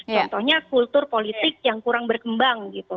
contohnya kultur politik yang kurang berkembang gitu